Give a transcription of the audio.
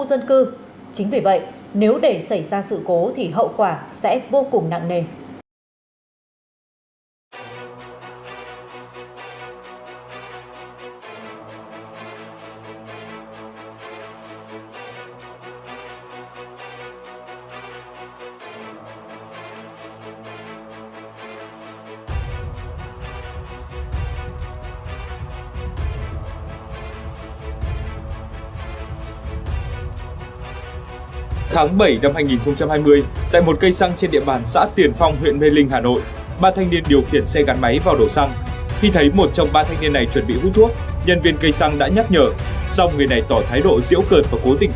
xong người này tỏ thái độ diễu cợt và cố tình châm thuốc